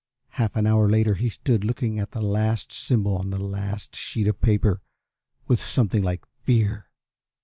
Half an hour later he stood looking at the last symbol on the last sheet of paper with something like fear.